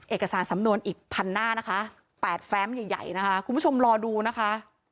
เอกสารสำนวนอีกพันหน้านะคะ๘แฟ้มใหญ่นะคะคุณผู้ชมรอดูนะคะ